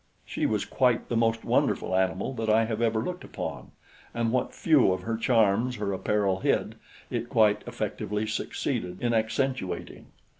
She was quite the most wonderful animal that I have ever looked upon, and what few of her charms her apparel hid, it quite effectively succeeded in accentuating.